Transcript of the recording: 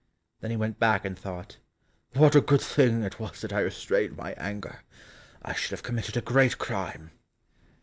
Then he went back and thought, "What a good thing it was that I restrained my anger! I should have committed a great crime."